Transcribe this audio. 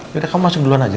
yaudah kamu masuk duluan aja